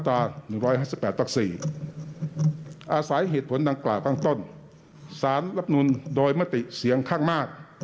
อาศัยเหตุผลดังกล่าวข้างต้นสารรับนูลโดยมติเสียงข้างมาก